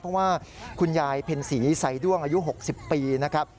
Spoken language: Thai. เพราะว่าคุณยายเพ็ญศรีไซด้วงอายุ๖๐ปีนะครับ